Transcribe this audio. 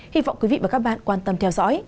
hy vọng quý vị và các bạn quan tâm theo dõi